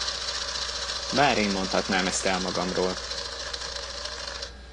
Bár én mondhatnám ezt el magamról!